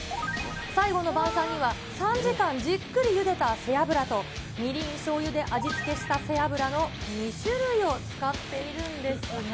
最後の晩餐には、３時間じっくりゆでた背脂と、みりん、しょうゆで味付けした背脂の２種類を使っているんですが。